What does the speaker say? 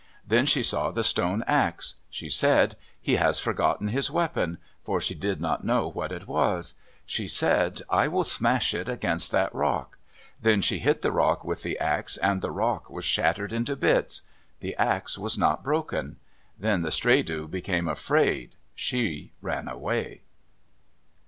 Then she saw the stone ax. She said, "He has forgotten his weapon," for she did not know what it was. She said, "I will smash it against that rock." Then she hit the rock with the ax and the rock was shattered into bits. The ax was not broken. Then the Stredu became afraid. She ran away.